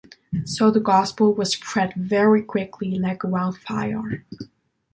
So, the gospel was spread very quickly like a wild fire.